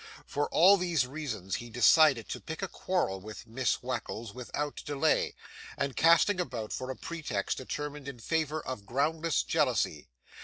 For all these reasons, he decided to pick a quarrel with Miss Wackles without delay, and casting about for a pretext determined in favour of groundless jealousy.